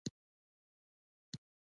له ذرې دې پیدا کړي نور ذرات دي